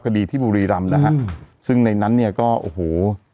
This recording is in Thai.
คดีที่บุรีรำนะฮะซึ่งในนั้นเนี่ยก็โอ้โห